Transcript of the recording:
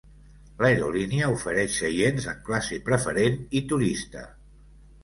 L'aerolínia ofereix seients en classe preferent i turista.